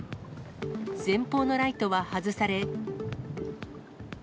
前方のライトは外され。